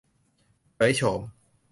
เผยโฉม